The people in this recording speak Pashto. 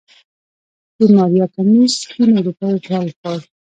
د ماريا کميس سپينو روپيو ټال خوړ.